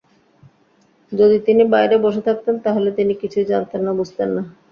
যদি তিনি বাইরে বসে থাকতেন, তাহলে তিনি কিছুই জানতেন না, বুঝতেন না।